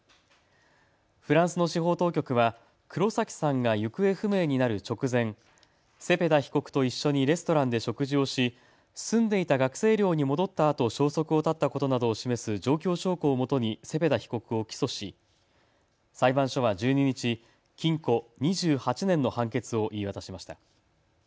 フランスの司法当局は黒崎さんが行方不明になる直前、セペダ被告と一緒にレストランで食事をし、住んでいた学生寮に戻ったあと消息を絶ったことなどを示す状況証拠をもとにセペダ被告を起訴し裁判所は１２日、禁錮２８年の判決を言い渡しました。